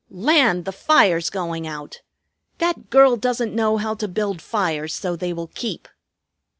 Land! The fire's going out! That girl doesn't know how to build fires so they will keep."